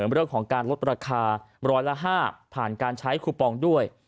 เรื่องของการลดราคาร้อยละ๕ผ่านการใช้คูปองด้วย